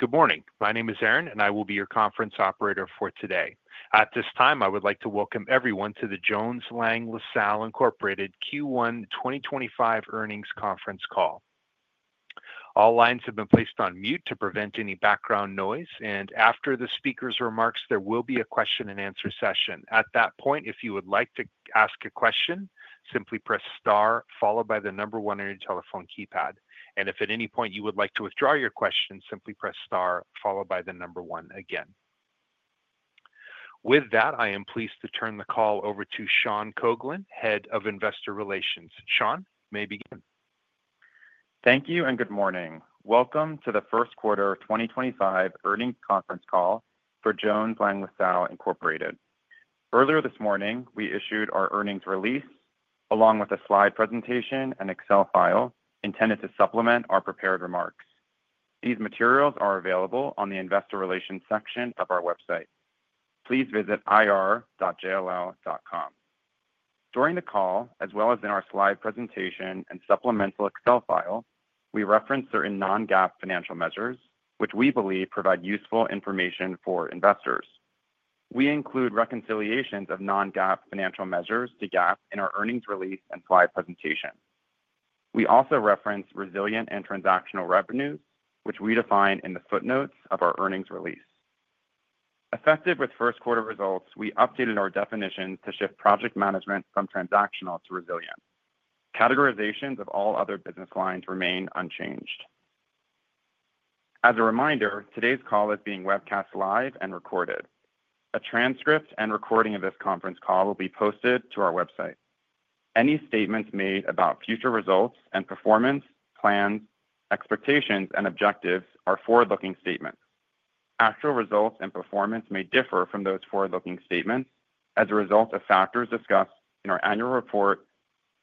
Good morning. My name is Aaron, and I will be your conference operator for today. At this time, I would like to welcome everyone to the Jones Lang LaSalle Incorporated Q1 2025 earnings conference call. All lines have been placed on mute to prevent any background noise, and after the speaker's remarks, there will be a question-and-answer session. At that point, if you would like to ask a question, simply press star followed by the number one on your telephone keypad. If at any point you would like to withdraw your question, simply press star followed by the number one again. With that, I am pleased to turn the call over to Sean Coghlan, Head of Investor Relations. Sean, you may begin. Thank you and good morning. Welcome to the first quarter 2025 earnings conference call for Jones Lang LaSalle Incorporated. Earlier this morning, we issued our earnings release along with a slide presentation and Excel file intended to supplement our prepared remarks. These materials are available on the Investor Relations section of our website. Please visit ir.jll.com. During the call, as well as in our slide presentation and supplemental Excel file, we reference certain non-GAAP financial measures, which we believe provide useful information for investors. We include reconciliations of non-GAAP financial measures to GAAP in our earnings release and slide presentation. We also reference Resilient and Transactional revenues, which we define in the footnotes of our earnings release. Effective with first quarter results, we updated our definitions to shift Project Management from Transactional to Resilient. Categorizations of all other business lines remain unchanged. As a reminder, today's call is being webcast live and recorded. A transcript and recording of this conference call will be posted to our website. Any statements made about future results and performance, plans, expectations, and objectives are forward-looking statements. Actual results and performance may differ from those forward-looking statements as a result of factors discussed in our annual report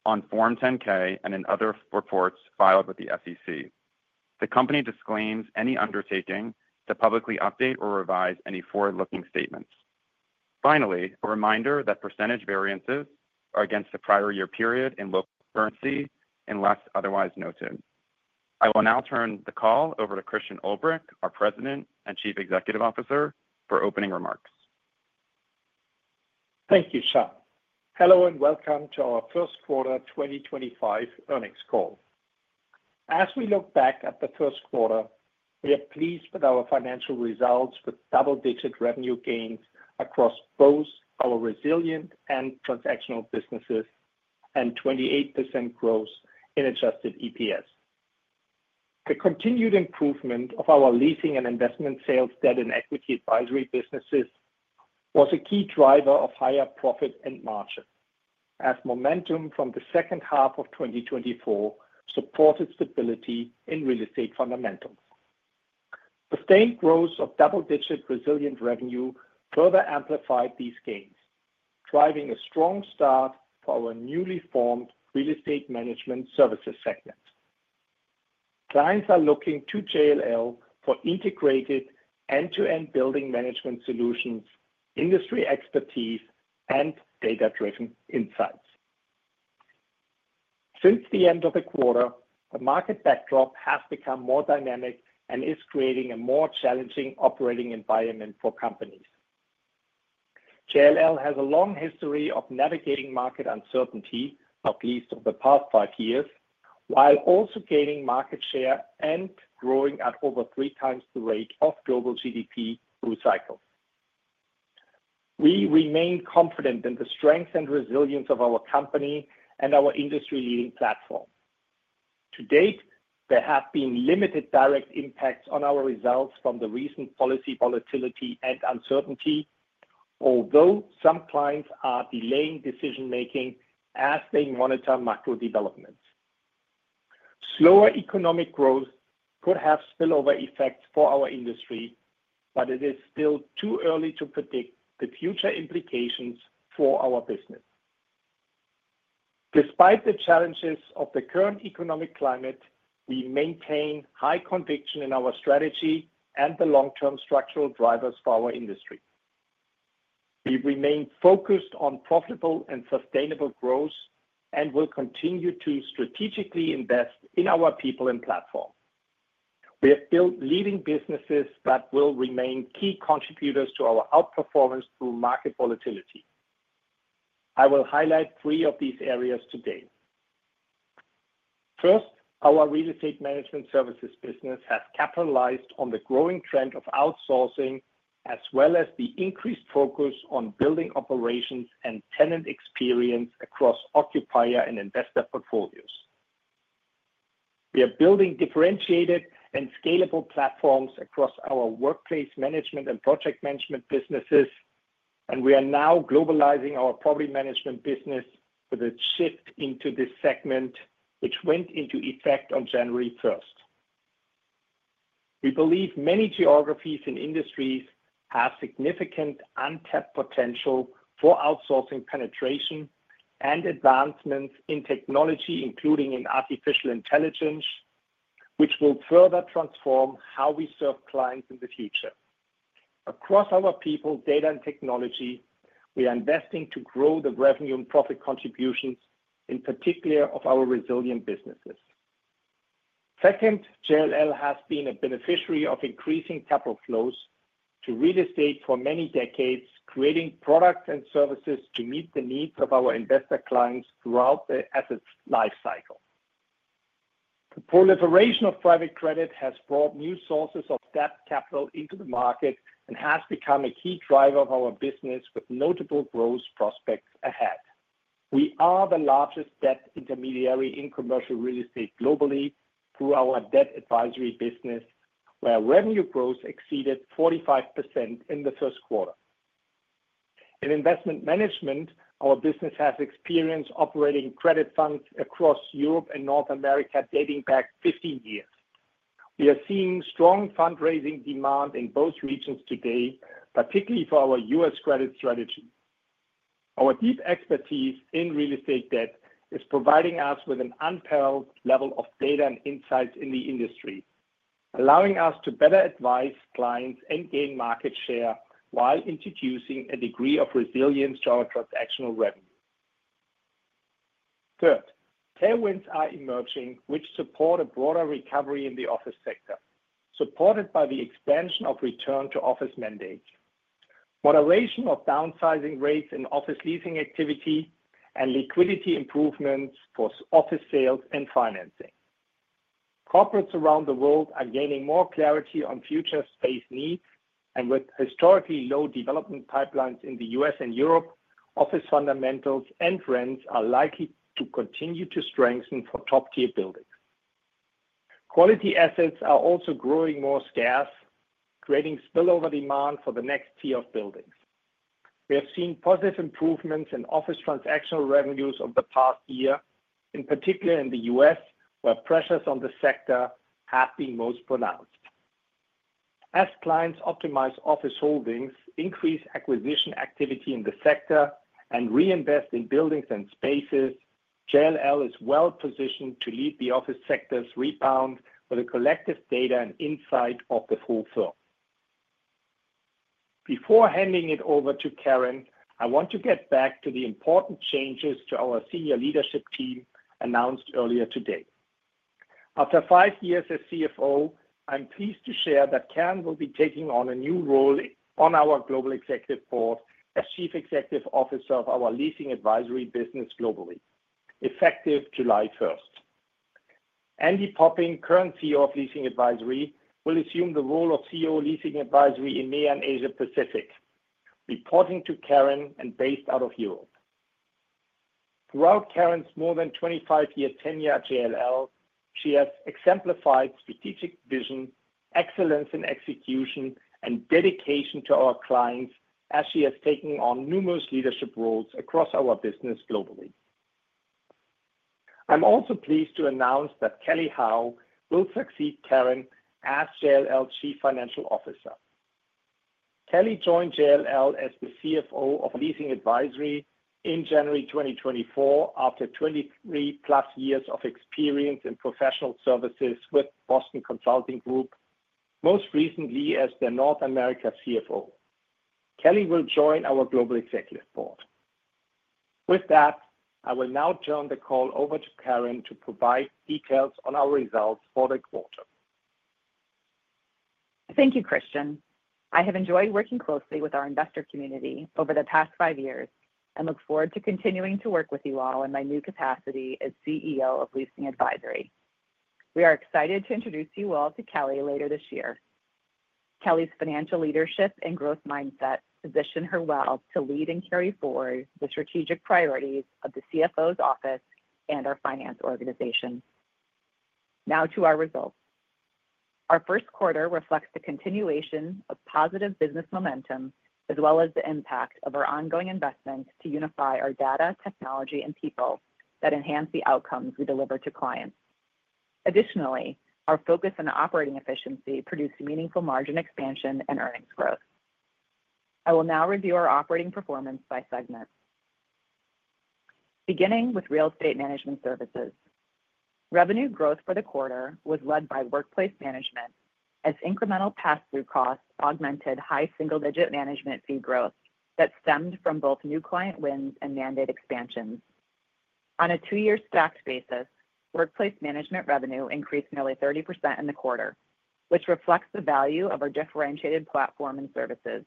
on Form 10-K and in other reports filed with the SEC. The company disclaims any undertaking to publicly update or revise any forward-looking statements. Finally, a reminder that percentage variances are against the prior year period in local currency unless otherwise noted. I will now turn the call over to Christian Ulbrich, our President and Chief Executive Officer, for opening remarks. Thank you, Sean. Hello and welcome to our first quarter 2025 earnings call. As we look back at the first quarter, we are pleased with our financial results with double-digit revenue gains across both our Resilient and Transactional businesses and 28% growth in adjusted EPS. The continued improvement of our leasing and investment sales, debt, and equity advisory businesses was a key driver of higher profit and margin as momentum from the second half of 2024 supported stability in real estate fundamentals. Sustained growth of double-digit Resilient revenue further amplified these gains, driving a strong start for our newly formed Real Estate Management Services segment. Clients are looking to JLL for integrated end-to-end building management solutions, industry expertise, and data-driven insights. Since the end of the quarter, the market backdrop has become more dynamic and is creating a more challenging operating environment for companies. JLL has a long history of navigating market uncertainty, at least over the past five years, while also gaining market share and growing at over 3x the rate of global GDP through cycles. We remain confident in the strength and resilience of our company and our industry-leading platform. To date, there have been limited direct impacts on our results from the recent policy volatility and uncertainty, although some clients are delaying decision-making as they monitor macro developments. Slower economic growth could have spillover effects for our industry, but it is still too early to predict the future implications for our business. Despite the challenges of the current economic climate, we maintain high conviction in our strategy and the long-term structural drivers for our industry. We remain focused on profitable and sustainable growth and will continue to strategically invest in our people and platform. We have built leading businesses that will remain key contributors to our outperformance through market volatility. I will highlight three of these areas today. First, our Real Estate Management Services business has capitalized on the growing trend of outsourcing as well as the increased focus on building operations and tenant experience across occupier and investor portfolios. We are building differentiated and scalable platforms across our Workplace Management and Project Management businesses, and we are now globalizing our Property Management business with a shift into this segment, which went into effect on January 1st. We believe many geographies and industries have significant untapped potential for outsourcing penetration and advancements in technology, including in artificial intelligence, which will further transform how we serve clients in the future. Across our people, data and technology, we are investing to grow the revenue and profit contributions, in particular of our Resilient businesses. Second, JLL has been a beneficiary of increasing capital flows to real estate for many decades, creating products and services to meet the needs of our investor clients throughout the asset's life cycle. The proliferation of private credit has brought new sources of debt capital into the market and has become a key driver of our business with notable growth prospects ahead. We are the largest debt intermediary in commercial real estate globally through our debt advisory business, where revenue growth exceeded 45% in the first quarter. In Investment Management, our business has experience operating credit funds across Europe and North America dating back 15 years. We are seeing strong fundraising demand in both regions today, particularly for our U.S. credit strategy. Our deep expertise in real estate debt is providing us with an unparalleled level of data and insights in the industry, allowing us to better advise clients and gain market share while introducing a degree of resilience to our Transactional revenue. Third, tailwinds are emerging, which support a broader recovery in the office sector, supported by the expansion of return-to-office mandates, moderation of downsizing rates in office leasing activity, and liquidity improvements for office sales and financing. Corporates around the world are gaining more clarity on future space needs, and with historically low development pipelines in the U.S. and Europe, office fundamentals and trends are likely to continue to strengthen for top-tier buildings. Quality assets are also growing more scarce, creating spillover demand for the next tier of buildings. We have seen positive improvements in office transactional revenues over the past year, in particular in the U.S., where pressures on the sector have been most pronounced. As clients optimize office holdings, increase acquisition activity in the sector, and reinvest in buildings and spaces, JLL is well positioned to lead the office sector's rebound with the collective data and insight of the full firm. Before handing it over to Karen, I want to get back to the important changes to our senior leadership team announced earlier today. After five years as CFO, I'm pleased to share that Karen will be taking on a new role on our Global Executive Board as Chief Executive Officer of our Leasing Advisory business globally, effective July 1st. Andy Poppink, current CEO of Leasing Advisory, will assume the role of CEO of Leasing Advisory, EMEA and Asia Pacific, reporting to Karen and based out of Europe. Throughout Karen's more than 25-year tenure at JLL, she has exemplified strategic vision, excellence in execution, and dedication to our clients as she has taken on numerous leadership roles across our business globally. I'm also pleased to announce that Kelly Howe will succeed Karen as JLL's Chief Financial Officer. Kelly joined JLL as the CFO of Leasing Advisory in January 2024 after 23+ years of experience in professional services with Boston Consulting Group, most recently as the North America CFO. Kelly will join our Global Executive Board. With that, I will now turn the call over to Karen to provide details on our results for the quarter. Thank you, Christian. I have enjoyed working closely with our investor community over the past five years and look forward to continuing to work with you all in my new capacity as CEO of Leasing Advisory. We are excited to introduce you all to Kelly later this year. Kelly's financial leadership and growth mindset position her well to lead and carry forward the strategic priorities of the CFO's office and our finance organization. Now to our results. Our first quarter reflects the continuation of positive business momentum, as well as the impact of our ongoing investments to unify our data, technology, and people that enhance the outcomes we deliver to clients. Additionally, our focus on operating efficiency produced meaningful margin expansion and earnings growth. I will now review our operating performance by segment, beginning with Real Estate Management Services. Revenue growth for the quarter was led by Workplace Management as incremental pass-through costs augmented high single-digit management fee growth that stemmed from both new client wins and mandate expansions. On a two-year stacked basis, Workplace Management revenue increased nearly 30% in the quarter, which reflects the value of our differentiated platform and services.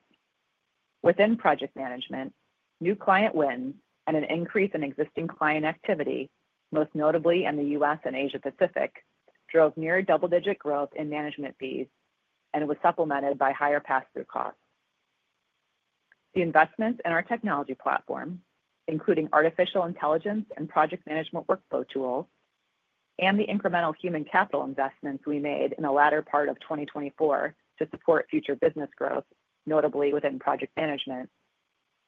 Within Project Management, new client wins and an increase in existing client activity, most notably in the U.S. and Asia Pacific, drove near double-digit growth in management fees and was supplemented by higher pass-through costs. The investments in our technology platform, including artificial intelligence and Project Management workflow tools, and the incremental human capital investments we made in the latter part of 2024 to support future business growth, notably within Project Management,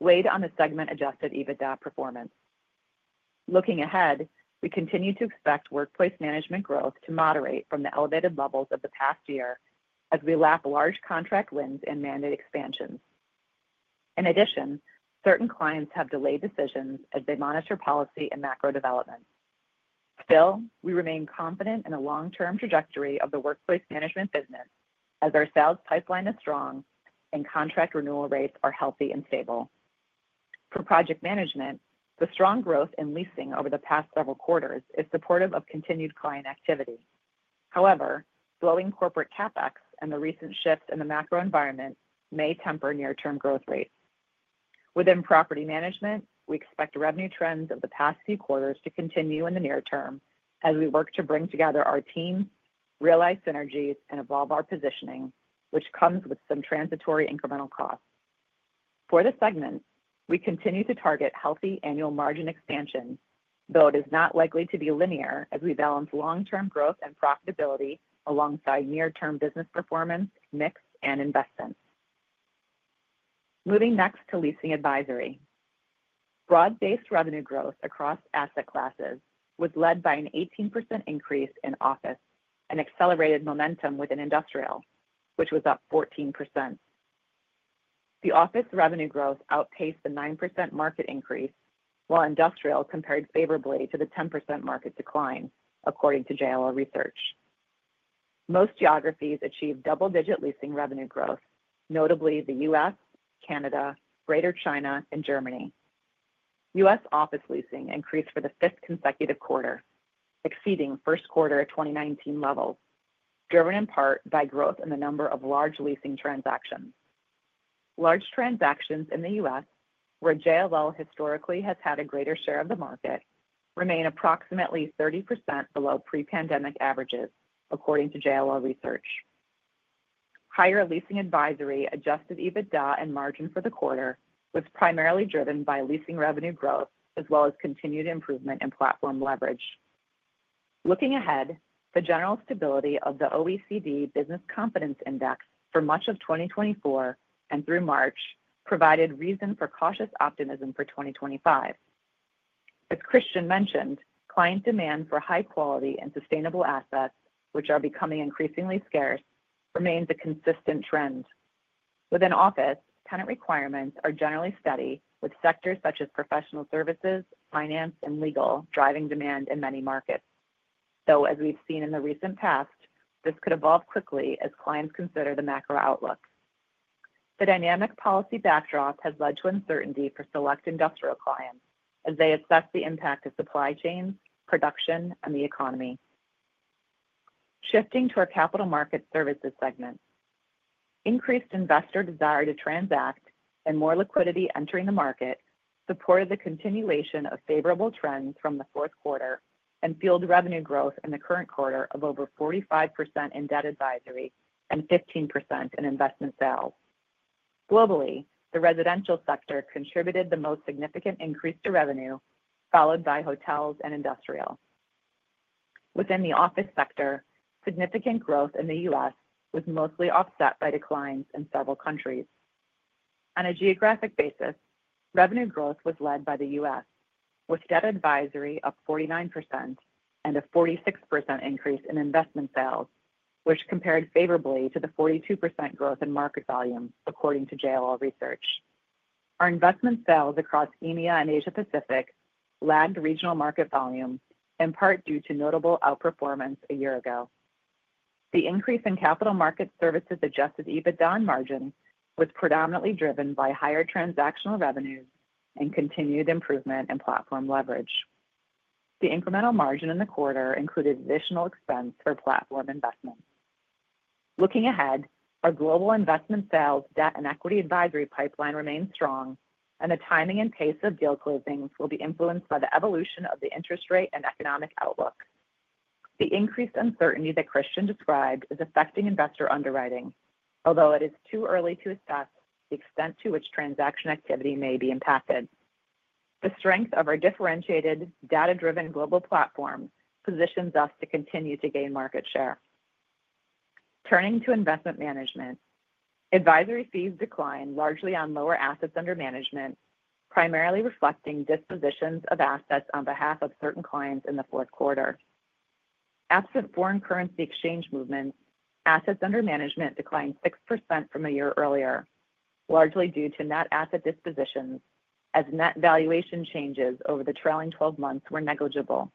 weighed on the segment-adjusted EBITDA performance. Looking ahead, we continue to expect Workplace Management growth to moderate from the elevated levels of the past year as we lap large contract wins and mandate expansions. In addition, certain clients have delayed decisions as they monitor policy and macro developments. Still, we remain confident in a long-term trajectory of the Workplace Management business as our sales pipeline is strong and contract renewal rates are healthy and stable. For Project Management, the strong growth in leasing over the past several quarters is supportive of continued client activity. However, slowing corporate CapEx and the recent shifts in the macro environment may temper near-term growth rates. Within Property Management, we expect revenue trends of the past few quarters to continue in the near term as we work to bring together our teams, realize synergies, and evolve our positioning, which comes with some transitory incremental costs. For the segments, we continue to target healthy annual margin expansion, though it is not likely to be linear as we balance long-term growth and profitability alongside near-term business performance, mix, and investments. Moving next to leasing advisory. Broad-based revenue growth across asset classes was led by an 18% increase in office and accelerated momentum within industrial, which was up 14%. The office revenue growth outpaced the 9% market increase, while industrial compared favorably to the 10% market decline, according to JLL Research. Most geographies achieved double-digit leasing revenue growth, notably the U.S., Canada, Greater China, and Germany. U.S. office leasing increased for the fifth consecutive quarter, exceeding first quarter of 2019 levels, driven in part by growth in the number of large leasing transactions. Large transactions in the U.S., where JLL historically has had a greater share of the market, remain approximately 30% below pre-pandemic averages, according to JLL Research. Higher leasing advisory adjusted EBITDA and margin for the quarter was primarily driven by leasing revenue growth as well as continued improvement in platform leverage. Looking ahead, the general stability of the OECD Business Confidence Index for much of 2024 and through March provided reason for cautious optimism for 2025. As Christian mentioned, client demand for high-quality and sustainable assets, which are becoming increasingly scarce, remains a consistent trend. Within office, tenant requirements are generally steady, with sectors such as professional services, finance, and legal driving demand in many markets. Though, as we've seen in the recent past, this could evolve quickly as clients consider the macro outlook. The dynamic policy backdrop has led to uncertainty for select industrial clients as they assess the impact of supply chains, production, and the economy. Shifting to our Capital Market Services segment, increased investor desire to transact and more liquidity entering the market supported the continuation of favorable trends from the fourth quarter and fueled revenue growth in the current quarter of over 45% in debt advisory and 15% in investment sales. Globally, the residential sector contributed the most significant increase to revenue, followed by hotels and industrial. Within the office sector, significant growth in the U.S. was mostly offset by declines in several countries. On a geographic basis, revenue growth was led by the U.S., with debt advisory up 49% and a 46% increase in investment sales, which compared favorably to the 42% growth in market volume, according to JLL Research. Our investment sales across EMEA and Asia Pacific lagged regional market volume, in part due to notable outperformance a year ago. The increase in Capital Markets Services adjusted EBITDA and margin was predominantly driven by higher Transactional revenues and continued improvement in platform leverage. The incremental margin in the quarter included additional expense for platform investments. Looking ahead, our global investment sales, debt, and equity advisory pipeline remains strong, and the timing and pace of deal closings will be influenced by the evolution of the interest rate and economic outlook. The increased uncertainty that Christian described is affecting investor underwriting, although it is too early to assess the extent to which transaction activity may be impacted. The strength of our differentiated data-driven global platform positions us to continue to gain market share. Turning to Investment Management, advisory fees decline largely on lower assets under management, primarily reflecting dispositions of assets on behalf of certain clients in the fourth quarter. Absent foreign currency exchange movements, assets under management declined 6% from a year earlier, largely due to net asset dispositions as net valuation changes over the trailing 12 months were negligible.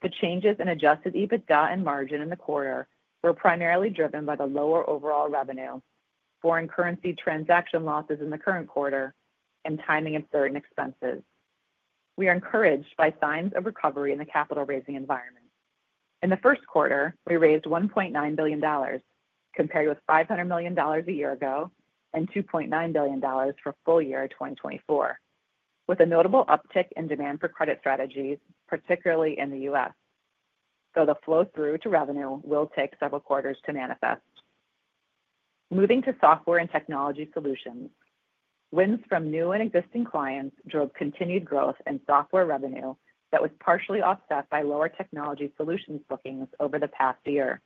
The changes in adjusted EBITDA and margin in the quarter were primarily driven by the lower overall revenue, foreign currency transaction losses in the current quarter, and timing of certain expenses. We are encouraged by signs of recovery in the capital-raising environment. In the first quarter, we raised $1.9 billion, compared with $500 million a year ago and $2.9 billion for full year 2024, with a notable uptick in demand for credit strategies, particularly in the U.S., though the flow through to revenue will take several quarters to manifest. Moving to software and technology solutions, wins from new and existing clients drove continued growth in software revenue that was partially offset by lower technology solutions bookings over the past year.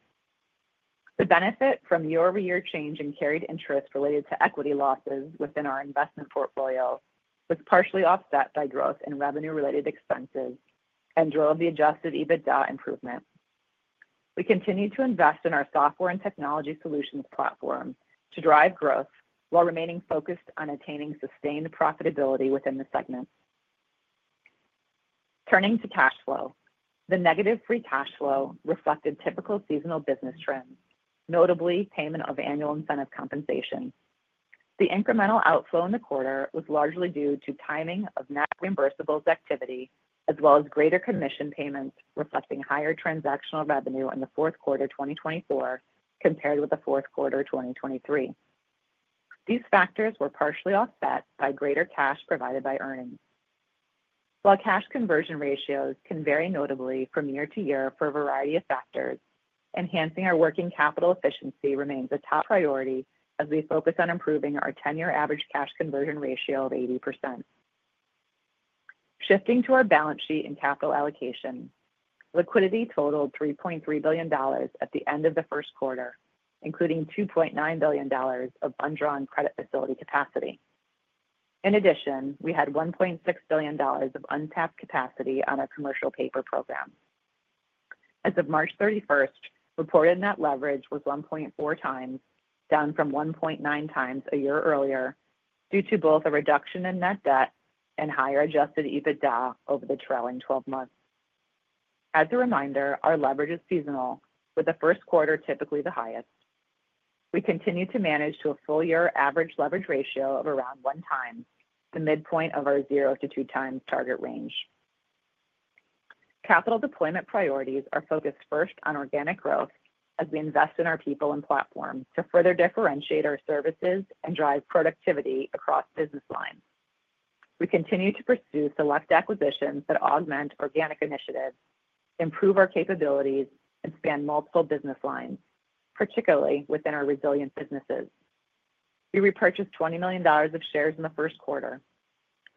The benefit from year-over-year change in carried interest related to equity losses within our investment portfolio was partially offset by growth in revenue-related expenses and drove the adjusted EBITDA improvement. We continue to invest in our software and technology solutions platform to drive growth while remaining focused on attaining sustained profitability within the segment. Turning to cash flow, the negative free cash flow reflected typical seasonal business trends, notably payment of annual incentive compensation. The incremental outflow in the quarter was largely due to timing of net reimbursables activity, as well as greater commission payments reflecting higher Transactional revenue in the fourth quarter 2024 compared with the fourth quarter 2023. These factors were partially offset by greater cash provided by earnings. While cash conversion ratios can vary notably from year to year for a variety of factors, enhancing our working capital efficiency remains a top priority as we focus on improving our 10-year average cash conversion ratio of 80%. Shifting to our balance sheet and capital allocation, liquidity totaled $3.3 billion at the end of the first quarter, including $2.9 billion of undrawn credit facility capacity. In addition, we had $1.6 billion of untapped capacity on our commercial paper program. As of March 31st, reported net leverage was 1.4x, down from 1.9x a year earlier due to both a reduction in net debt and higher adjusted EBITDA over the trailing 12 months. As a reminder, our leverage is seasonal, with the first quarter typically the highest. We continue to manage to a full-year average leverage ratio of around 1x, the midpoint of our 0x-2x target range. Capital deployment priorities are focused first on organic growth as we invest in our people and platform to further differentiate our services and drive productivity across business lines. We continue to pursue select acquisitions that augment organic initiatives, improve our capabilities, and span multiple business lines, particularly within our Resilient businesses. We repurchased $20 million of shares in the first quarter.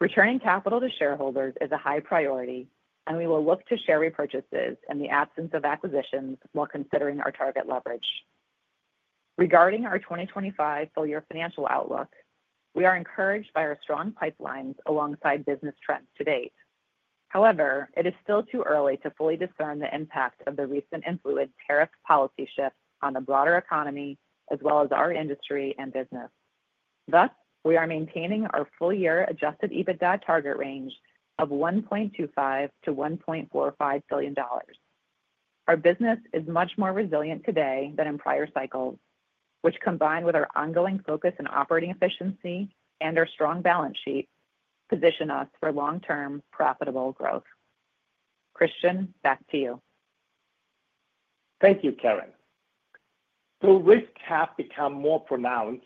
Returning capital to shareholders is a high priority, and we will look to share repurchases in the absence of acquisitions while considering our target leverage. Regarding our 2025 full-year financial outlook, we are encouraged by our strong pipelines alongside business trends to date. However, it is still too early to fully discern the impact of the recent fluid tariff policy shift on the broader economy as well as our industry and business. Thus, we are maintaining our full-year adjusted EBITDA target range of $1.25 billion-$1.45 billion. Our business is much more resilient today than in prior cycles, which, combined with our ongoing focus on operating efficiency and our strong balance sheet, position us for long-term profitable growth. Christian, back to you. Thank you, Karen. Though risks have become more pronounced,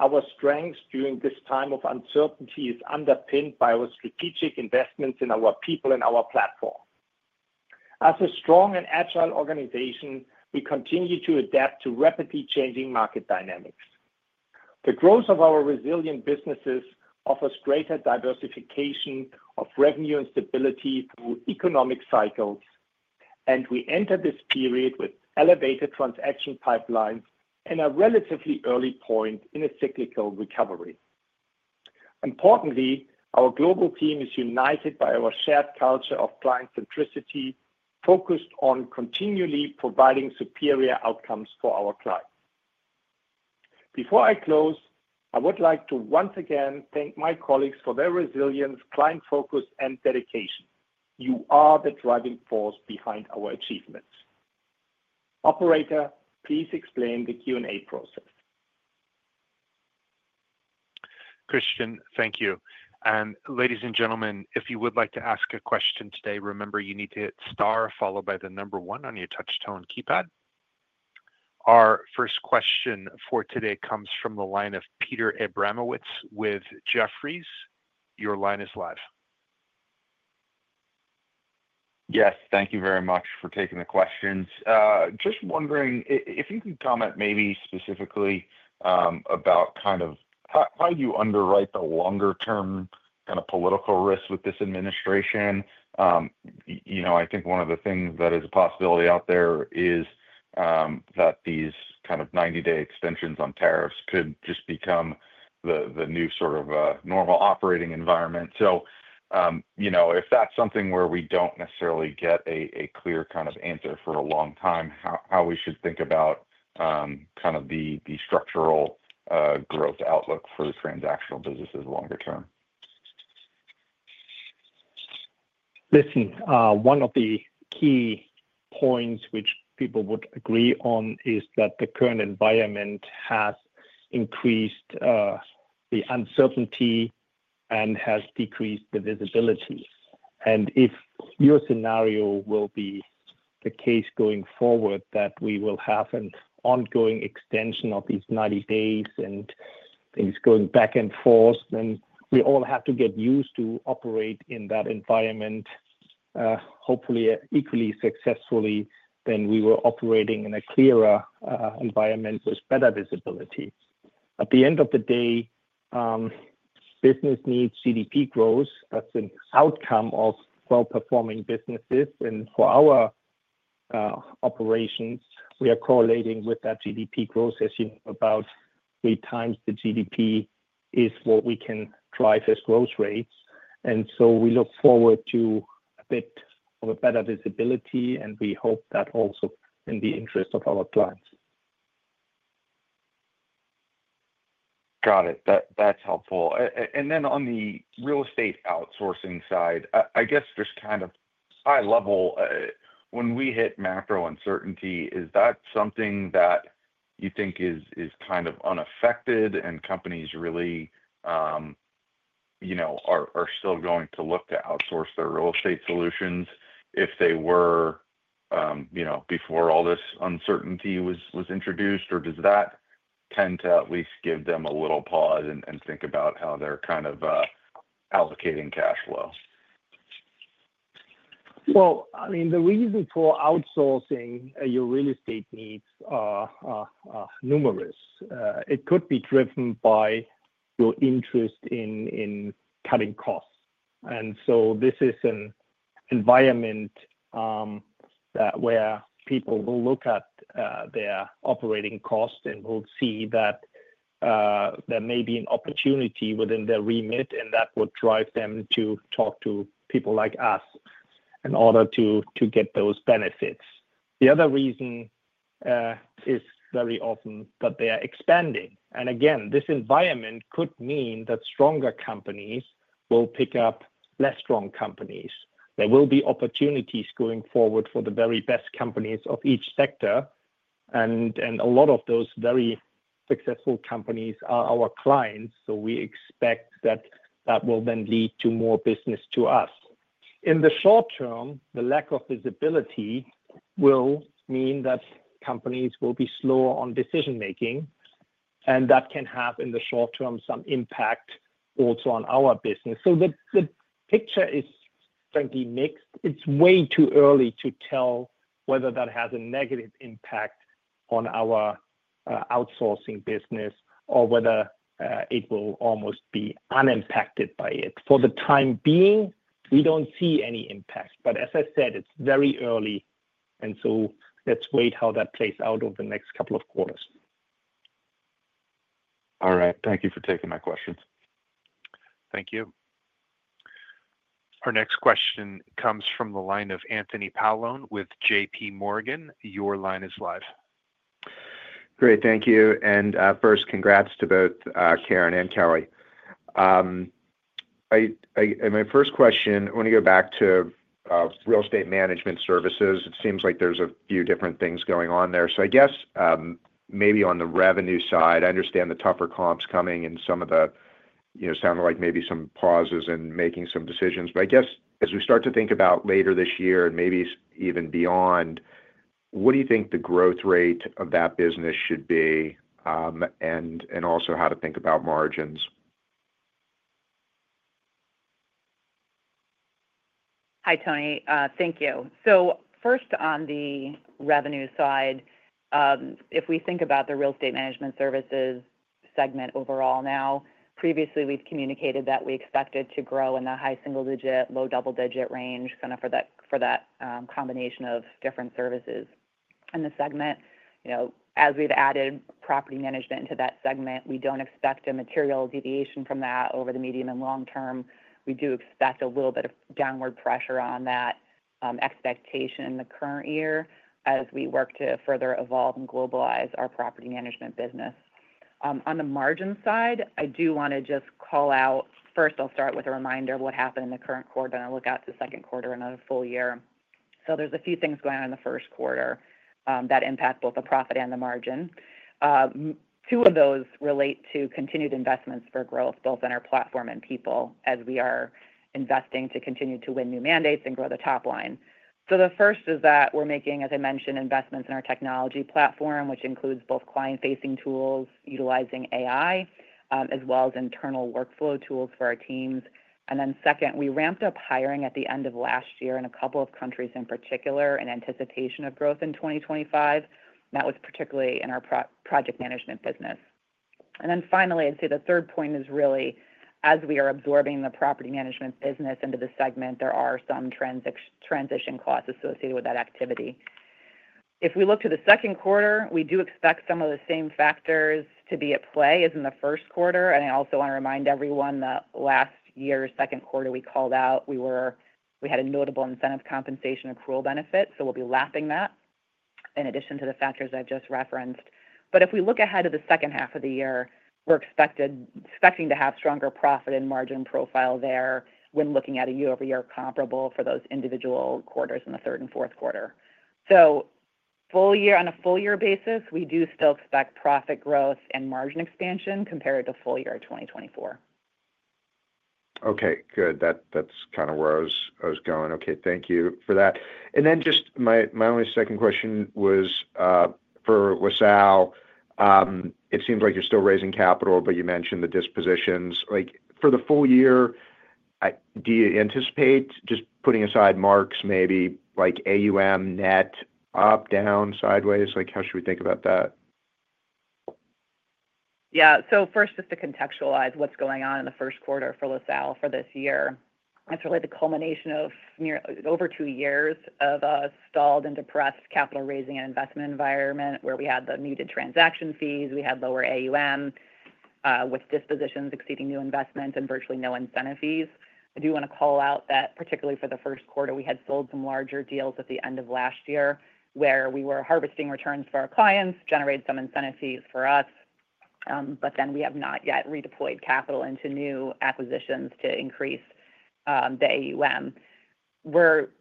our strength during this time of uncertainty is underpinned by our strategic investments in our people and our platform. As a strong and agile organization, we continue to adapt to rapidly changing market dynamics. The growth of our Resilient businesses offers greater diversification of revenue and stability through economic cycles, and we enter this period with elevated transaction pipelines and a relatively early point in a cyclical recovery. Importantly, our global team is united by our shared culture of client centricity, focused on continually providing superior outcomes for our clients. Before I close, I would like to once again thank my colleagues for their resilience, client focus, and dedication. You are the driving force behind our achievements. Operator, please explain the Q&A process. Christian, thank you. Ladies and gentlemen, if you would like to ask a question today, remember you need to hit star followed by the number one on your touch-tone keypad. Our first question for today comes from the line of Peter Abramowitz with Jefferies. Your line is live. Yes, thank you very much for taking the questions. Just wondering if you can comment maybe specifically about kind of how do you underwrite the longer-term kind of political risk with this administration. You know, I think one of the things that is a possibility out there is that these kind of 90-day extensions on tariffs could just become the new sort of normal operating environment. If that's something where we don't necessarily get a clear kind of answer for a long time, how we should think about kind of the structural growth outlook for the Transactional businesses longer term? Listen, one of the key points which people would agree on is that the current environment has increased the uncertainty and has decreased the visibility. If your scenario will be the case going forward, that we will have an ongoing extension of these 90-days and things going back and forth, we all have to get used to operate in that environment, hopefully equally successfully as we were operating in a clearer environment with better visibility. At the end of the day, business needs GDP growth. That is an outcome of well-performing businesses. For our operations, we are correlating with that GDP growth, as you know, about 3x the GDP is what we can drive as growth rates. We look forward to a bit of a better visibility, and we hope that is also in the interest of our clients. Got it. That is helpful. On the real estate outsourcing side, I guess just kind of high level, when we hit macro uncertainty, is that something that you think is kind of unaffected and companies really are still going to look to outsource their real estate solutions if they were before all this uncertainty was introduced? Or does that tend to at least give them a little pause and think about how they're kind of allocating cash flow? I mean, the reason for outsourcing your real estate needs are numerous. It could be driven by your interest in cutting costs. This is an environment where people will look at their operating costs and will see that there may be an opportunity within their remit, and that would drive them to talk to people like us in order to get those benefits. The other reason is very often that they are expanding. Again, this environment could mean that stronger companies will pick up less strong companies. There will be opportunities going forward for the very best companies of each sector. A lot of those very successful companies are our clients. We expect that that will then lead to more business to us. In the short term, the lack of visibility will mean that companies will be slower on decision-making, and that can have in the short term some impact also on our business. The picture is frankly mixed. It is way too early to tell whether that has a negative impact on our outsourcing business or whether it will almost be unimpacted by it. For the time being, we do not see any impact. But as I said, it's very early, and so let's wait how that plays out over the next couple of quarters. All right. Thank you for taking my questions. Thank you. Our next question comes from the line of Anthony Paolone with JPMorgan. Your line is live. Great. Thank you. And first, congrats to both Karen and Kelly. My first question, I want to go back to Real Estate Management Services. It seems like there's a few different things going on there. I guess maybe on the revenue side, I understand the tougher comps coming and some of the sounded like maybe some pauses in making some decisions. I guess as we start to think about later this year and maybe even beyond, what do you think the growth rate of that business should be and also how to think about margins? Hi, Tony. Thank you. First, on the revenue side, if we think about the Real Estate Management Services segment overall now, previously we have communicated that we expected to grow in the high single-digit, low double-digit range for that combination of different services in the segment. As we have added Property Management into that segment, we do not expect a material deviation from that over the medium and long term. We do expect a little bit of downward pressure on that expectation in the current year as we work to further evolve and globalize our Property Management business. On the margin side, I do want to just call out, first, I will start with a reminder of what happened in the current quarter and I will look out to the second quarter and a full year. There are a few things going on in the first quarter that impact both the profit and the margin. Two of those relate to continued investments for growth, both in our platform and people, as we are investing to continue to win new mandates and grow the top line. The first is that we're making, as I mentioned, investments in our technology platform, which includes both client-facing tools utilizing AI as well as internal workflow tools for our teams. Second, we ramped up hiring at the end of last year in a couple of countries in particular in anticipation of growth in 2025. That was particularly in our Project Management business. Finally, I'd say the third point is really as we are absorbing the Property Management business into the segment, there are some transition costs associated with that activity. If we look to the second quarter, we do expect some of the same factors to be at play as in the first quarter. I also want to remind everyone that last year's second quarter we called out, we had a notable incentive compensation accrual benefit. We will be lapping that in addition to the factors I have just referenced. If we look ahead to the second half of the year, we are expecting to have a stronger profit and margin profile there when looking at a year-over-year comparable for those individual quarters in the third and fourth quarter. On a full-year basis, we do still expect profit growth and margin expansion compared to full year 2024. Okay. Good. That is kind of where I was going. Okay. Thank you for that. My only second question was for LaSalle, it seems like you are still raising capital, but you mentioned the dispositions. For the full year, do you anticipate, just putting aside marks, maybe like AUM, net, up, down, sideways, how should we think about that? Yeah. So first, just to contextualize what's going on in the first quarter for LaSalle for this year, it's really the culmination of over two years of a stalled and depressed capital-raising and investment environment where we had the muted transaction fees, we had lower AUM with dispositions exceeding new investments and virtually no incentive fees. I do want to call out that particularly for the first quarter, we had sold some larger deals at the end of last year where we were harvesting returns for our clients, generated some incentive fees for us, but then we have not yet redeployed capital into new acquisitions to increase the AUM.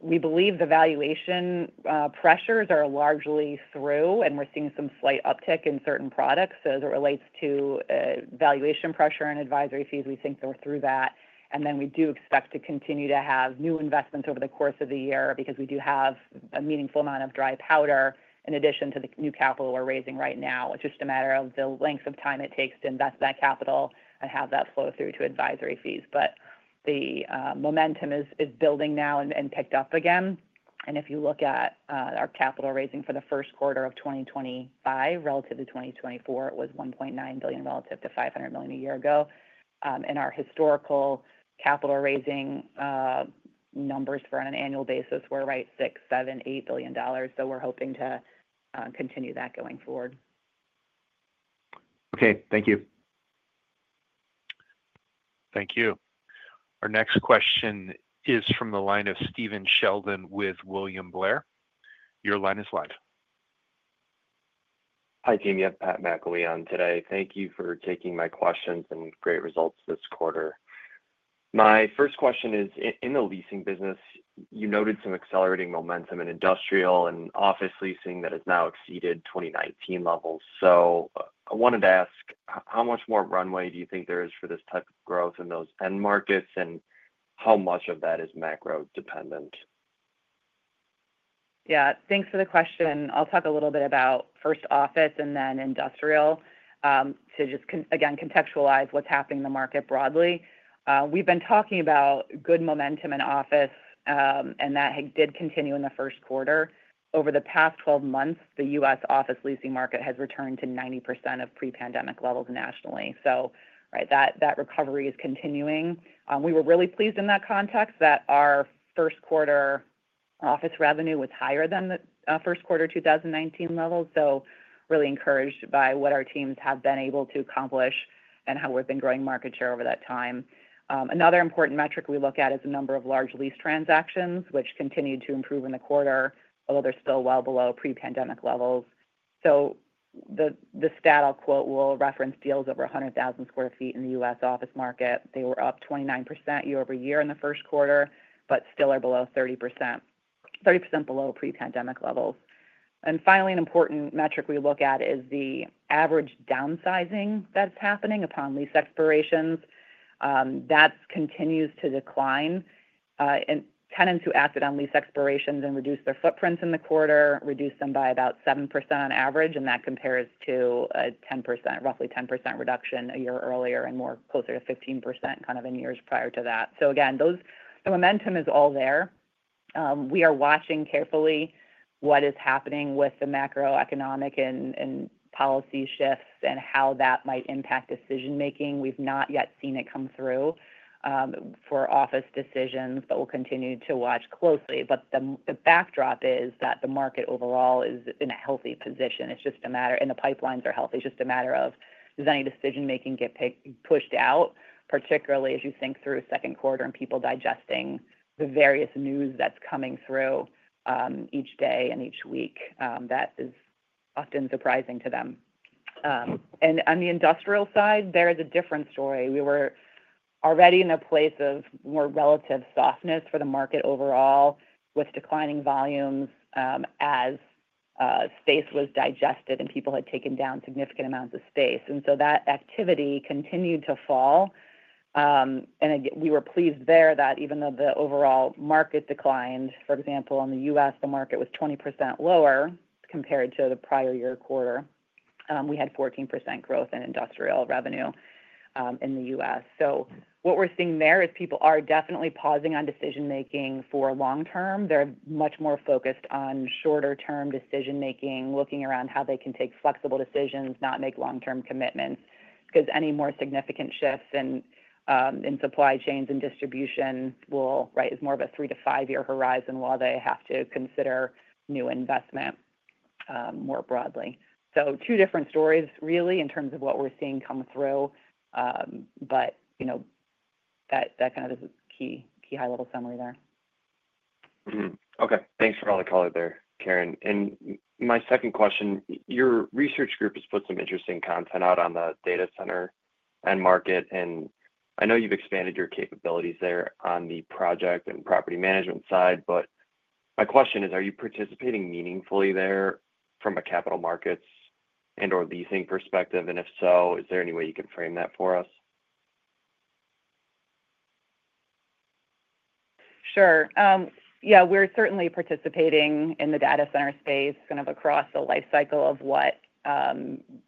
We believe the valuation pressures are largely through, and we're seeing some slight uptick in certain products. As it relates to valuation pressure and advisory fees, we think they're through that. We do expect to continue to have new investments over the course of the year because we do have a meaningful amount of dry powder in addition to the new capital we're raising right now. It's just a matter of the length of time it takes to invest that capital and have that flow through to advisory fees. The momentum is building now and picked up again. If you look at our capital raising for the first quarter of 2025 relative to 2024, it was $1.9 billion relative to $500 million a year ago. Our historical capital raising numbers for an annual basis were, right, $6 billion-$8 billion. We're hoping to continue that going forward. Okay. Thank you. Thank you. Our next question is from the line of Stephen Sheldon with William Blair. Your line is live. Hi, team. You have Pat McIlwee on today. Thank you for taking my questions and great results this quarter. My first question is, in the leasing business, you noted some accelerating momentum in industrial and office leasing that has now exceeded 2019 levels. I wanted to ask, how much more runway do you think there is for this type of growth in those end markets, and how much of that is macro-dependent? Yeah. Thanks for the question. I'll talk a little bit about first office and then industrial to just, again, contextualize what's happening in the market broadly. We've been talking about good momentum in office, and that did continue in the first quarter. Over the past 12 months, the U.S. office leasing market has returned to 90% of pre-pandemic levels nationally. That recovery is continuing. We were really pleased in that context that our first quarter office revenue was higher than the first quarter 2019 levels. Really encouraged by what our teams have been able to accomplish and how we've been growing market share over that time. Another important metric we look at is the number of large lease transactions, which continued to improve in the quarter, although they're still well below pre-pandemic levels. The stat I'll quote will reference deals over 100,000 sq ft in the U.S. office market. They were up 29% year-over-year in the first quarter, but still are below 30% below pre-pandemic levels. Finally, an important metric we look at is the average downsizing that's happening upon lease expirations. That continues to decline. Tenants who acted on lease expirations and reduced their footprints in the quarter reduced them by about 7% on average, and that compares to a roughly 10% reduction a year earlier and more closer to 15% kind of in years prior to that. Again, the momentum is all there. We are watching carefully what is happening with the macroeconomic and policy shifts and how that might impact decision-making. We've not yet seen it come through for office decisions, but we'll continue to watch closely. The backdrop is that the market overall is in a healthy position. It's just a matter in the pipelines are healthy. It's just a matter of does any decision-making get pushed out, particularly as you think through second quarter and people digesting the various news that's coming through each day and each week. That is often surprising to them. On the industrial side, there is a different story. We were already in a place of more relative softness for the market overall with declining volumes as space was digested and people had taken down significant amounts of space. That activity continued to fall. We were pleased there that even though the overall market declined, for example, in the U.S., the market was 20% lower compared to the prior year quarter. We had 14% growth in industrial revenue in the U.S. What we are seeing there is people are definitely pausing on decision-making for long term. They are much more focused on shorter-term decision-making, looking around how they can take flexible decisions, not make long-term commitments because any more significant shifts in supply chains and distribution will, right, it is more of a three to five-year horizon while they have to consider new investment more broadly. Two different stories really in terms of what we're seeing come through, but that kind of is a key high-level summary there. Okay. Thanks for all the color there, Karen. My second question, your research group has put some interesting content out on the data center and market. I know you've expanded your capabilities there on the Project and Property Management side, but my question is, are you participating meaningfully there from a capital markets and/or leasing perspective? If so, is there any way you can frame that for us? Sure. Yeah. We're certainly participating in the data center space kind of across the life cycle of what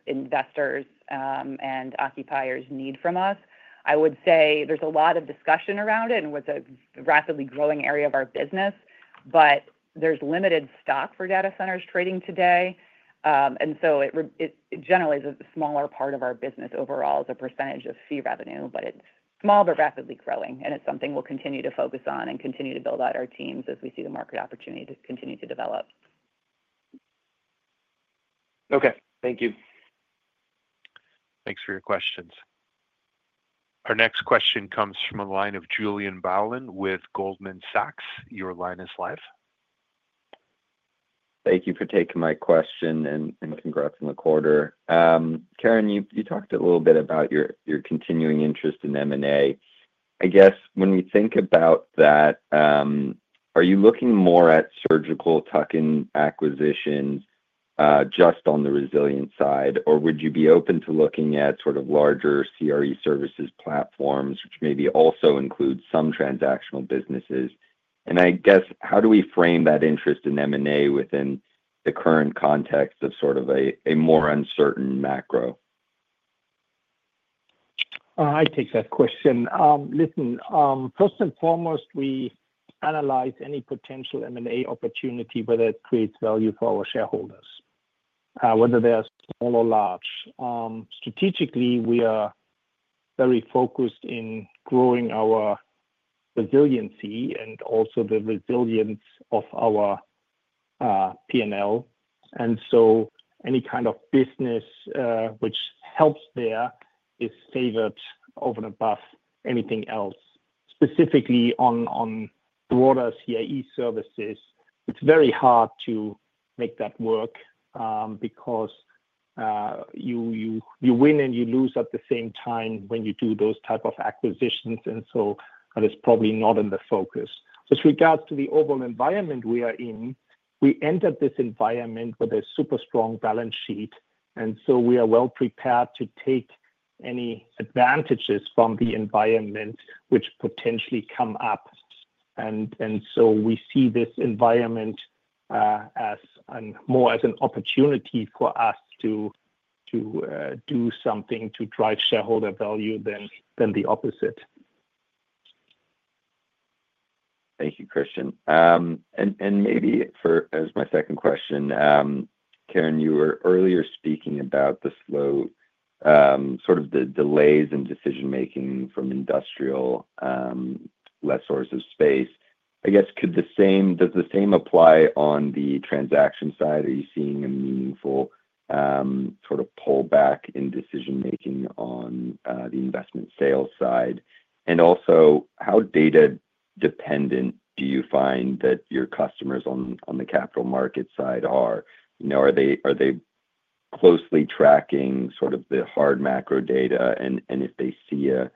investors and occupiers need from us. I would say there's a lot of discussion around it and with a rapidly growing area of our business, but there's limited stock for data centers trading today. It generally is a smaller part of our business overall as a percentage of fee revenue, but it's small but rapidly growing. It's something we'll continue to focus on and continue to build out our teams as we see the market opportunity to continue to develop. Okay. Thank you. Thanks for your questions. Our next question comes from a line of Julien Blouin with Goldman Sachs. Your line is live. Thank you for taking my question and congrats on the quarter. Karen, you talked a little bit about your continuing interest in M&A. I guess when we think about that, are you looking more at surgical tuck-in acquisitions just on the Resilient side, or would you be open to looking at sort of larger CRE services platforms, which maybe also include some Transactional businesses? I guess, how do we frame that interest in M&A within the current context of sort of a more uncertain macro? I take that question. Listen, first and foremost, we analyze any potential M&A opportunity, whether it creates value for our shareholders, whether they're small or large. Strategically, we are very focused in growing our resiliency and also the resilience of our P&L. Any kind of business which helps there is favored over and above anything else. Specifically on broader CRE services, it's very hard to make that work because you win and you lose at the same time when you do those type of acquisitions. That is probably not in the focus. With regards to the overall environment we are in, we entered this environment with a super strong balance sheet. We are well prepared to take any advantages from the environment which potentially come up. We see this environment more as an opportunity for us to do something to drive shareholder value than the opposite. Thank you, Christian. Maybe as my second question, Karen, you were earlier speaking about the slow sort of the delays in decision-making from industrial lessors of space. I guess, does the same apply on the transaction side? Are you seeing a meaningful sort of pullback in decision-making on the investment sales side? Also, how data-dependent do you find that your customers on the capital markets side are? Are they closely tracking sort of the hard macro data? If they see a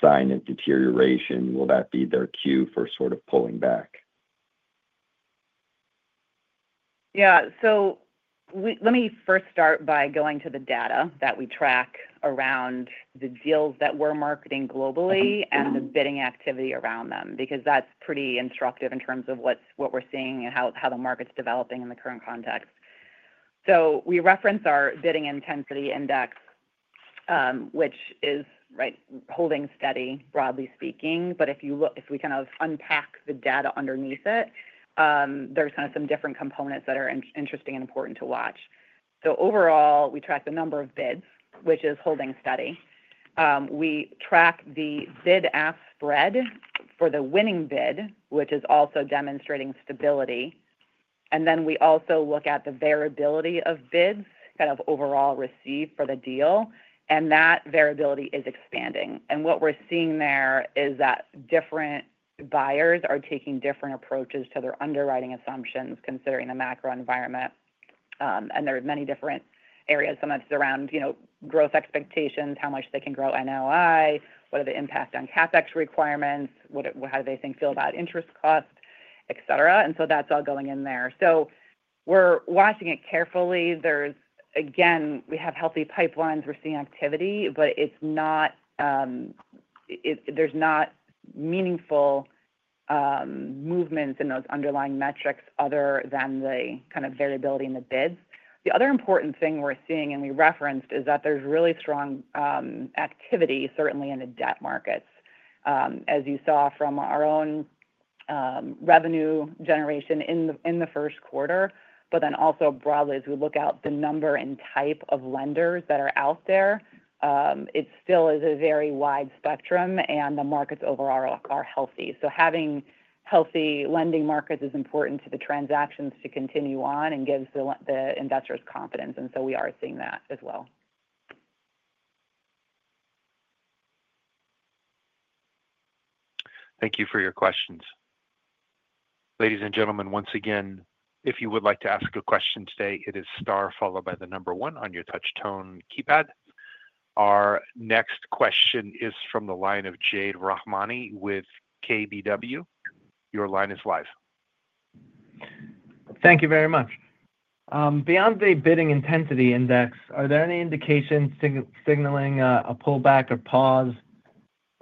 sign of deterioration, will that be their cue for sort of pulling back? Yeah. Let me first start by going to the data that we track around the deals that we're marketing globally and the bidding activity around them because that's pretty instructive in terms of what we're seeing and how the market's developing in the current context. We reference our bidding intensity index, which is holding steady, broadly speaking. If we kind of unpack the data underneath it, there are some different components that are interesting and important to watch. Overall, we track the number of bids, which is holding steady. We track the bid-ask spread for the winning bid, which is also demonstrating stability. We also look at the variability of bids overall received for the deal, and that variability is expanding. What we're seeing there is that different buyers are taking different approaches to their underwriting assumptions considering the macro environment. There are many different areas, some of it is around growth expectations, how much they can grow NOI, what are the impact on CapEx requirements, how do they think, feel about interest costs, etc. That is all going in there. We are watching it carefully. Again, we have healthy pipelines. We are seeing activity, but there are not meaningful movements in those underlying metrics other than the kind of variability in the bids. The other important thing we are seeing, and we referenced, is that there is really strong activity, certainly in the debt markets, as you saw from our own revenue generation in the first quarter. Also, broadly, as we look at the number and type of lenders that are out there, it still is a very wide spectrum, and the markets overall are healthy. Having healthy lending markets is important to the transactions to continue on and gives the investors confidence. We are seeing that as well. Thank you for your questions. Ladies and gentlemen, once again, if you would like to ask a question today, it is star followed by the number one on your touch-tone keypad. Our next question is from the line of Jade Rahmani with KBW. Your line is live. Thank you very much. Beyond the bidding intensity index, are there any indications signaling a pullback or pause?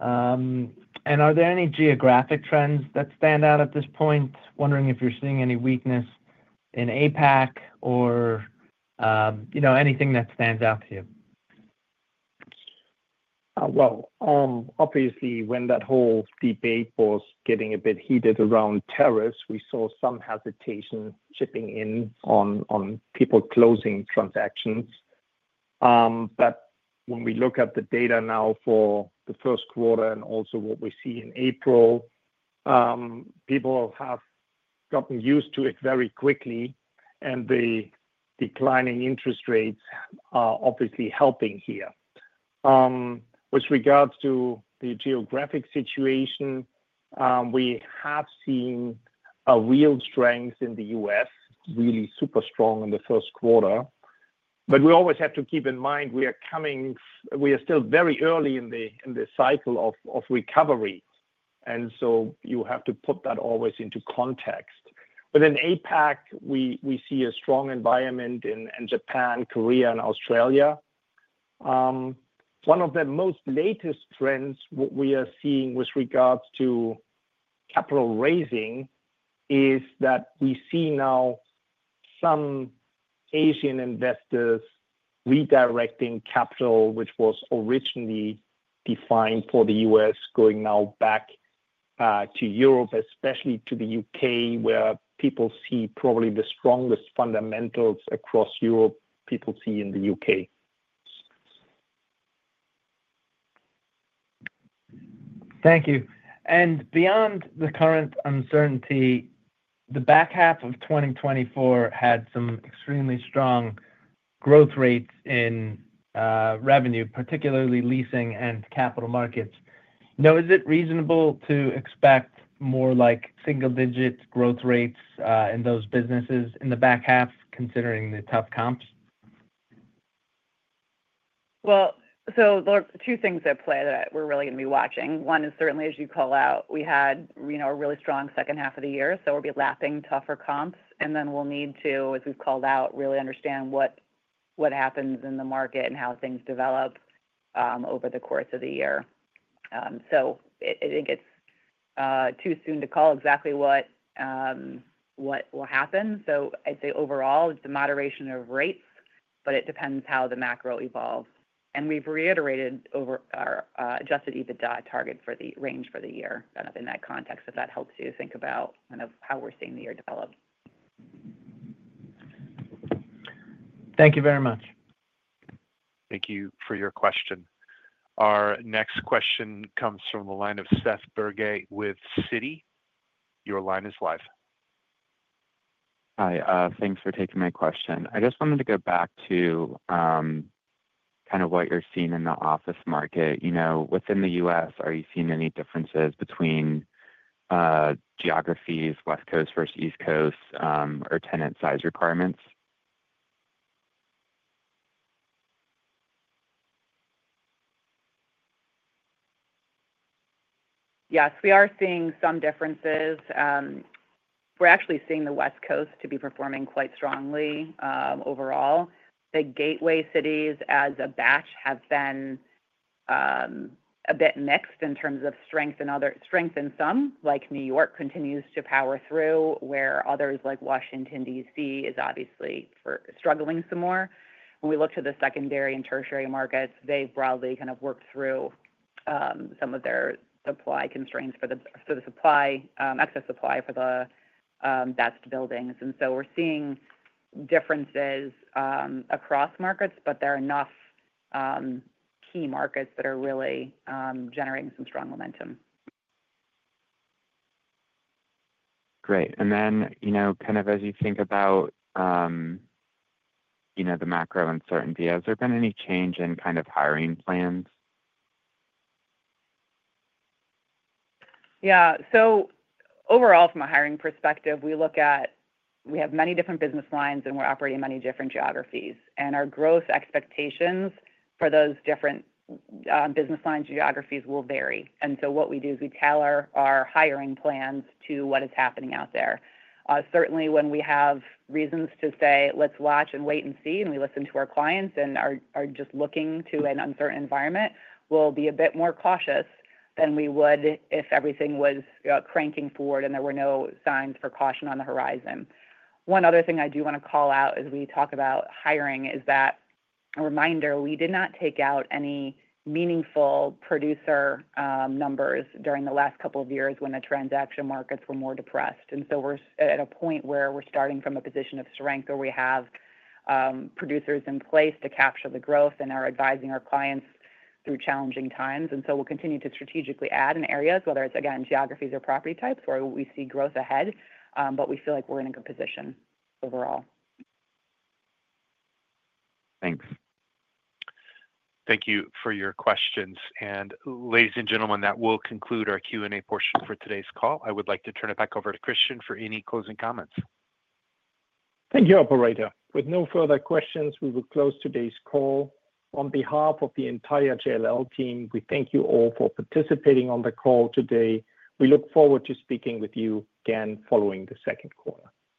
Are there any geographic trends that stand out at this point? Wondering if you're seeing any weakness in APAC or anything that stands out to you. Obviously, when that whole debate was getting a bit heated around tariffs, we saw some hesitation chipping in on people closing transactions. When we look at the data now for the first quarter and also what we see in April, people have gotten used to it very quickly, and the declining interest rates are obviously helping here. With regards to the geographic situation, we have seen a real strength in the U.S., really super strong in the first quarter. We always have to keep in mind we are still very early in the cycle of recovery. You have to put that always into context. Within APAC, we see a strong environment in Japan, Korea, and Australia. One of the most latest trends we are seeing with regards to capital raising is that we see now some Asian investors redirecting capital, which was originally defined for the U.S., going now back to Europe, especially to the U.K., where people see probably the strongest fundamentals across Europe people see in the U.K. Thank you. Beyond the current uncertainty, the back half of 2024 had some extremely strong growth rates in revenue, particularly leasing and capital markets. Is it reasonable to expect more single-digit growth rates in those businesses in the back half, considering the tough comps? There are two things at play that we're really going to be watching. One is certainly, as you call out, we had a really strong second half of the year, so we'll be lapping tougher comps. We need to, as we have called out, really understand what happens in the market and how things develop over the course of the year. I think it is too soon to call exactly what will happen. I would say overall, it is a moderation of rates, but it depends how the macro evolves. We have reiterated our adjusted EBITDA target for the range for the year in that context if that helps you think about how we are seeing the year develop. Thank you very much. Thank you for your question. Our next question comes from the line of Seth Bergey with Citi. Your line is live. Hi. Thanks for taking my question. I just wanted to go back to what you are seeing in the office market. Within the U.S., are you seeing any differences between geographies, West Coast versus East Coast, or tenant size requirements? Yes, we are seeing some differences. We're actually seeing the West Coast to be performing quite strongly overall. The gateway cities as a batch have been a bit mixed in terms of strength and some, like New York, continues to power through, where others like Washington, D.C., is obviously struggling some more. When we look to the secondary and tertiary markets, they've broadly kind of worked through some of their supply constraints for the excess supply for the best buildings. And so we're seeing differences across markets, but there are enough key markets that are really generating some strong momentum. Great. And then kind of as you think about the macro uncertainty, has there been any change in kind of hiring plans? Yeah. Overall, from a hiring perspective, we have many different business lines, and we're operating in many different geographies. Our growth expectations for those different business lines and geographies will vary. What we do is we tailor our hiring plans to what is happening out there. Certainly, when we have reasons to say, "Let's watch and wait and see," and we listen to our clients and are just looking to an uncertain environment, we'll be a bit more cautious than we would if everything was cranking forward and there were no signs for caution on the horizon. One other thing I do want to call out as we talk about hiring is that a reminder, we did not take out any meaningful producer numbers during the last couple of years when the transaction markets were more depressed. We're at a point where we're starting from a position of strength where we have producers in place to capture the growth and are advising our clients through challenging times. We'll continue to strategically add in areas, whether it's, again, geographies or property types where we see growth ahead, but we feel like we're in a good position overall. Thanks. Thank you for your questions. Ladies and gentlemen, that will conclude our Q&A portion for today's call. I would like to turn it back over to Christian for any closing comments. Thank you, Operator. With no further questions, we will close today's call. On behalf of the entire JLL team, we thank you all for participating on the call today. We look forward to speaking with you again following the second quarter.